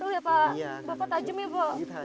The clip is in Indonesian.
awas nanti kena tangannya lho